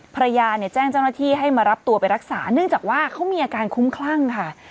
ภรรยาเนี่ยแจ้งเจ้าหน้าที่ให้มารับตัวไปรักษาเนื่องจากว่าเขามีอาการคุ้มคลั่งค่ะ